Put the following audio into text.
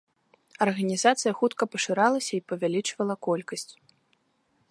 Арганізацыя хутка пашыралася і павялічвала колькасць.